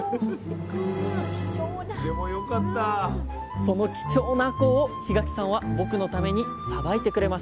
その貴重なあこうを檜垣さんは僕のためにさばいてくれました。